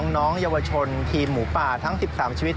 น้องเยาวชนทีมหมูป่าทั้ง๑๓ชีวิต